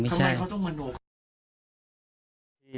ทำไมเขาต้องโมโน